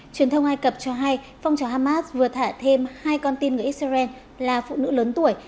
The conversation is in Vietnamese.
truyền thông ai cập cho hay phong trào hamas vừa thả thêm hai con tin người israel là phụ nữ lớn tuổi